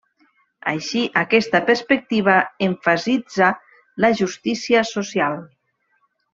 Així, aquesta perspectiva emfasitza la justícia social.